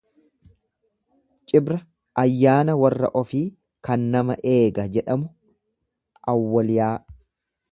Cibra ayyaana warra ofii kan nama eega jedhamu, awwaliyaa.